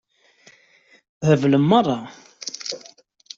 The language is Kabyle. Theblem meṛṛa.